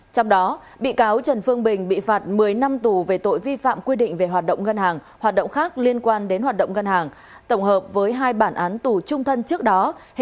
trong đó bị cáo trần phương bình bị phạt một mươi năm tù về tội vi phạm quy định về hoạt động ngân hàng hoạt động khác liên quan đến hoạt động ngân hàng tổng hợp với hai bản án tù trung thân trước đó